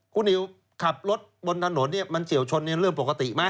คุณนิวขับรถบนถนนเนี่ยมันเฉียวชนเรื่องปกติไหม